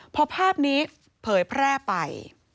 พอภาพนี้เผยแพร่ไป